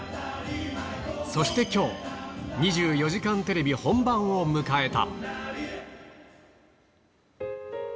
そしてきょう、２４時間テレビ本番を迎えた。